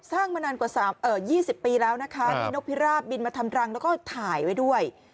สร้างมานานกว่า๒๐ปีแล้วโปรลับบิลมาทำรังแล้วก็ถ่ายด้วย